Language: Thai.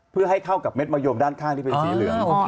เพื่อให้เข้ากับเม็ดมะยมด้านข้างที่เป็นสีเหลือง